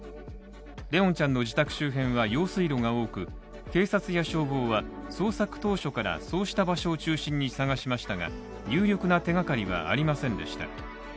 怜音ちゃんの自宅周辺は用水路が多く警察や消防は捜索当初からそうした場所を中心に探しましたが有力な手がかりはありませんでした。